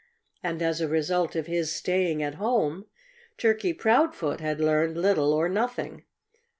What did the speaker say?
And as a result of his staying at home, Turkey Proudfoot had learned little or nothing.